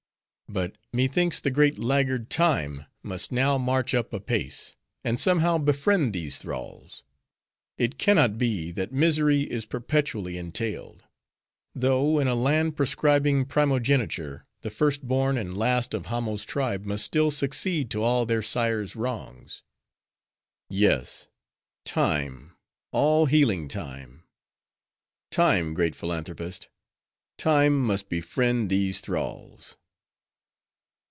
But, methinks the great laggard Time must now march up apace, and somehow befriend these thralls. It can not be, that misery is perpetually entailed; though, in a land proscribing primogeniture, the first born and last of Hamo's tribe must still succeed to all their sires' wrongs. Yes. Time—all healing Time—Time, great Philanthropist!—Time must befriend these thralls!"